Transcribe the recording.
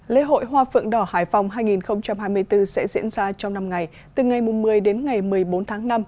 lễ hội hoa phượng đỏ hải phòng hai nghìn hai mươi bốn sẽ diễn ra trong năm ngày từ ngày một mươi đến ngày một mươi bốn tháng năm